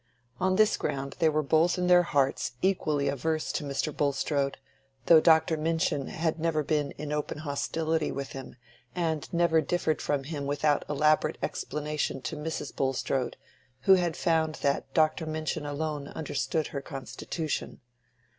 On this ground they were both in their hearts equally averse to Mr. Bulstrode, though Dr. Minchin had never been in open hostility with him, and never differed from him without elaborate explanation to Mrs. Bulstrode, who had found that Dr. Minchin alone understood her constitution.